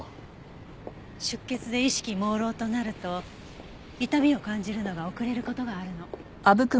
出血で意識朦朧となると痛みを感じるのが遅れる事があるの。